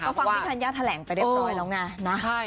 ก็ฟังพี่ธัญญาแถลงไปเรียบร้อยแล้วไงนะ